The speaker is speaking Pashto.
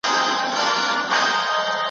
یوه جاهل مي، د خپلي کورنۍ تربیې له برکته ,